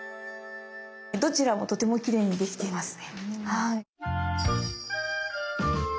どちらもとてもきれいに出来ていますね。